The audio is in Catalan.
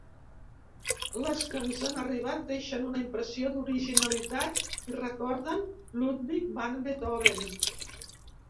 Les que ens han arribat deixen una impressió d'originalitat i recorden Ludwig van Beethoven.